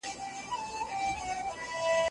نه پیران یې وه په یاد نه خیراتونه